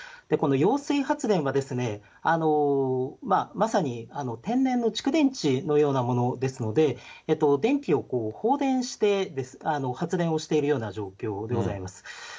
この揚水発電は、まさに天然の蓄電池のようなものですので、電気を放電して発電をしているような状況でございます。